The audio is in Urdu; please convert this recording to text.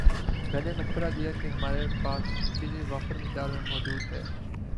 میں نے مشورہ دیا کہ ہماری پاس چینی وافر مقدار میں موجود ہے